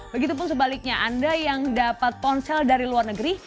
begitupun sebaliknya anda yang dapat ponsel dari luar negeri